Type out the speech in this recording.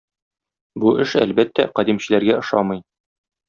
Бу эш, әлбәттә, кадимчеләргә ошамый.